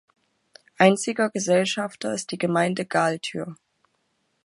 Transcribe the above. Einziger Gesellschafter ist die Gemeinde Galtür.